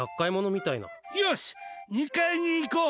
よし、２階に行こう！